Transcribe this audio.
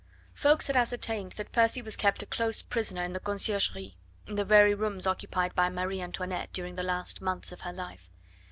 Ffoulkes had ascertained that Percy was kept a close prisoner in the Conciergerie, in the very rooms occupied by Marie Antoinette during the last months of her life.